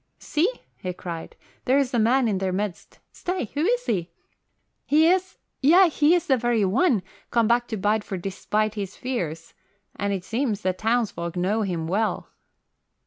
"See!" he cried. "There's a man in their midst. Stay! Who is he? He is yea, he is the very one, come back to Bideford despite his fears. And it seems the townsfolk know him well."